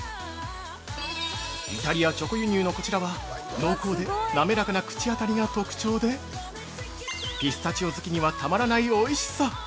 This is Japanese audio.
イタリア直輸入のこちらは濃厚で滑らかな口当たりが特徴で「ピスタチオ好きにはたまらないおいしさ！」